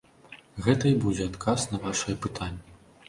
Гэта і будзе адказ на вашае пытанне.